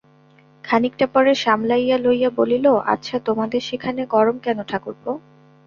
খানিকটা পরে সামলাইয়া লইয়া বলিল, আচ্ছা তোমাদের সেখানে গরম কেমন ঠাকুরপো?